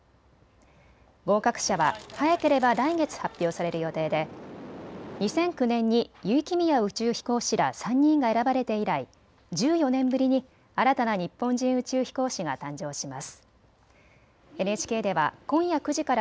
合格者は早ければ来月、発表される予定で２００９年に油井亀美也宇宙飛行士ら３人が選ばれて以来、１４年ぶりに新たな日本人宇宙飛行士が誕生します。